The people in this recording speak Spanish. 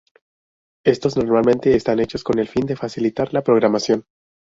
Estos normalmente están hechos con el fin de facilitar la programación.